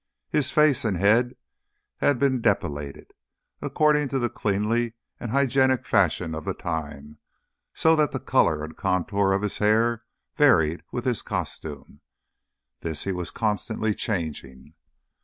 His face and head had been depilated, according to the cleanly and hygienic fashion of the time, so that the colour and contour of his hair varied with his costume. This he was constantly changing.